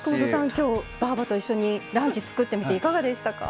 今日ばぁばと一緒にランチ作ってみていかがでしたか？